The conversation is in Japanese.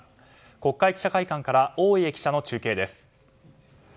国会記者会館から大家記者の中継です。